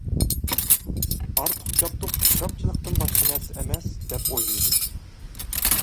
«ئارتۇق جابدۇق ئىسراپچىلىقتىن باشقا نەرسە ئەمەس» دەپ ئويلىدى.